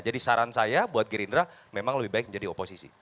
jadi saran saya buat gerindra memang lebih baik menjadi oposisi